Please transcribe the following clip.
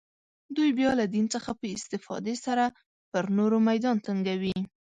دوی بیا له دین څخه په استفاده سره پر نورو میدان تنګوي